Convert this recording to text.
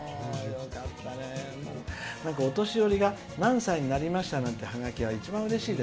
お年寄りが何歳になりましたなんてハガキが一番うれしい。